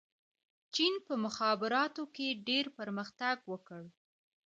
چین په مخابراتو کې ډېر پرمختګ وکړ.